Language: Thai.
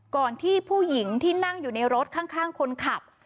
ก่อนที่ผู้หญิงที่นั่งอยู่ในรถข้างคนขับ